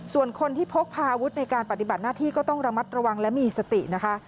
ส่วนคนที่พกพาอาวุธในการปฏิบัติหน้าที่ก็ต้องระมัดระวังและมีสตินะคะ